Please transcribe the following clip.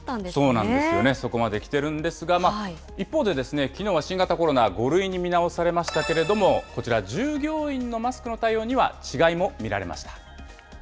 そうなんですよね、そこまで来てるんですが、一方で、きのうは新型コロナ、５類に見直されましたけれども、こちら、従業員のマスクの対応には違いも見られました。